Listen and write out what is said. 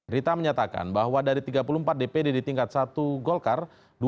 rita menyatakan bahwa dari tiga puluh empat dpd di tingkat satu golkar